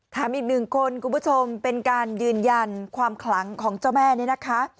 อีกหนึ่งคนคุณผู้ชมเป็นการยืนยันความขลังของเจ้าแม่นี่นะคะ